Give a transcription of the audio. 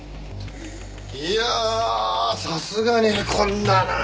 いやあさすがにへこんだなあ。